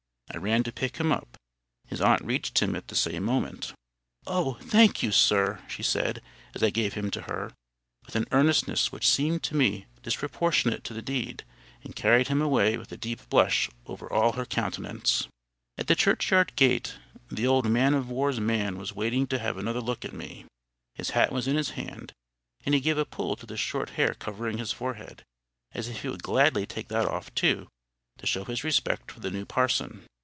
I ran to pick him up. His aunt reached him at the same moment. "Oh, thank you, sir!" she said, as I gave him to her, with an earnestness which seemed to me disproportionate to the deed, and carried him away with a deep blush over all her countenance. At the churchyard gate, the old man of war's man was waiting to have another look at me. His hat was in his hand, and he gave a pull to the short hair over his forehead, as if he would gladly take that off too, to show his respect for the new parson.